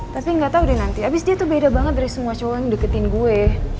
tapi nggak tahu deh nanti abis dia tuh beda banget dari semua cowok deketin gue